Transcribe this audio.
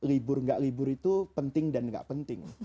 libur atau tidak libur itu penting dan tidak penting